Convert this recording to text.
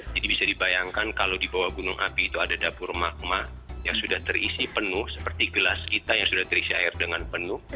jadi bisa dibayangkan kalau di bawah gunung api itu ada dapur magma yang sudah terisi penuh seperti gelas kita yang sudah terisi air dengan penuh